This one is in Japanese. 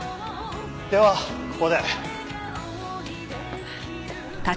ではここで。